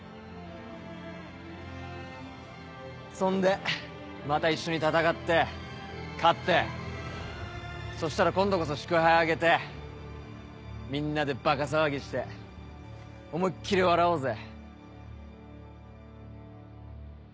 そんでまた一緒に戦って勝ってそしたら今度こそ祝杯挙げてみんなでバカ騒ぎして思いっきり笑おうぜ。